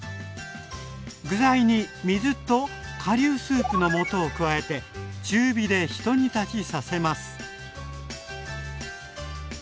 具材に水と顆粒スープの素を加えて中火でひと煮立ちさせます。